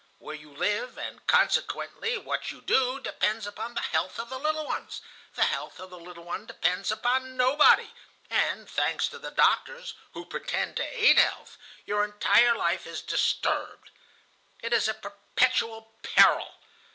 Where you live, and consequently what you do, depends upon the health of the little ones, the health of the little ones depends upon nobody, and, thanks to the doctors, who pretend to aid health, your entire life is disturbed. It is a perpetual peril.